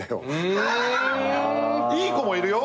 いい子もいるよ。